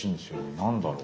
何だろう。